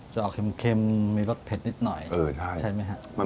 จะออกเค็มมีรสเผ็ดนิดหน่อยใช่ไหมครับ